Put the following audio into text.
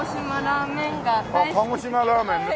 鹿児島ラーメンね。